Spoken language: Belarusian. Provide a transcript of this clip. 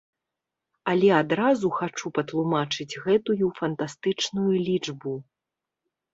Але адразу хачу патлумачыць гэтую фантастычную лічбу.